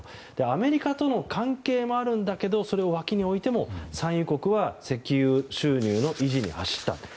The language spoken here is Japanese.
アメリカとの関係もあるんだけどそれを脇に置いても、産油国は石油収入の維持に走ったと。